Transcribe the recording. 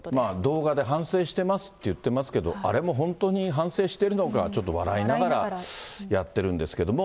動画で反省してますって言ってますけど、あれも本当に反省してるのか、ちょっと笑いながらやってるんですけども。